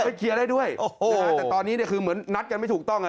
แต่ตอนนี้คือเหมือนนัดกันไม่ถูกต้อง